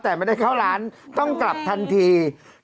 แต่ไม่ได้เข้าร้านต้องกลับทันที